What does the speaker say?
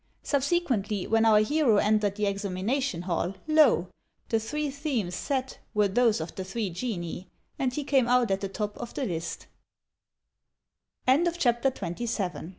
Subsequently, when our hero entered the examination hall, lo! the three themes set were those of the Three Genii, and he came out at the top of the